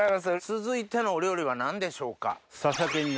続いてのお料理は何でしょうか？